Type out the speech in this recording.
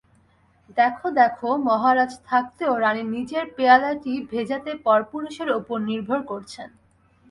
দেখো দেখো, মহারাজ থাকতেও রানী নিজের পেয়ালাটি ভেজাতে পরপুরুষের ওপর নির্ভর করছেন।